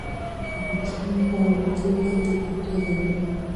افغانستان په وادي باندې تکیه لري.